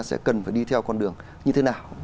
sẽ cần phải đi theo con đường như thế nào